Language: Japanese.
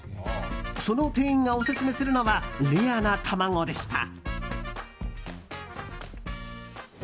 その店員がオススメするのはレアな卵でした。